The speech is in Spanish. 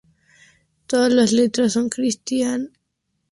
Todas las letras por Cristián Castro.